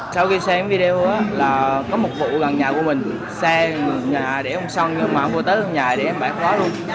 sau khi xem video có một vụ gần nhà của mình xe nhà để không xong nhưng mà không có tới nhà để bãi khó luôn